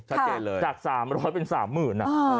ชัดเจนเลยจากสามร้อยเป็นสามหมื่น